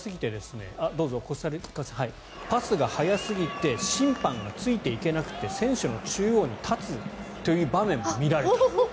パスが速すぎて審判がついていけなくて選手の中央に立つという場面も見られた。